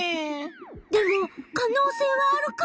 でも可能性はあるカモ。